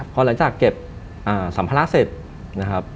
พอหลังจากเก็บสัมภาระเสร็จนะครับ